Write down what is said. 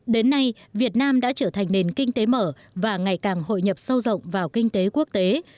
đến nay việt nam đã trở thành nền kinh tế mở và ngày càng hội nhập sâu rộng vào kinh tế quốc tế